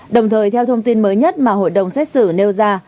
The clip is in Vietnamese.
đồng thời theo thông tin mới nhất mà hội đồng xét xử nêu ra